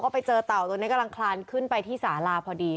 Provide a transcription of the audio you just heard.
กำลังคลานขึ้นไปที่สาลาพอดี